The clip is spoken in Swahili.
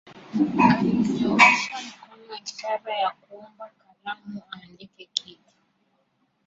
Alinyoosha mkono ishara ya kuomba kalamu aandike kitu